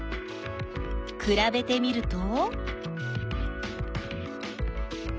くらべてみると？